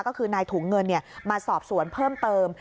ก็คือนายถุงเงินมาสอบสวนเพิ่มเติม